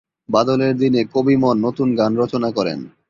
বাদলের দিনে কবিমন নতুন গান রচনা করেন।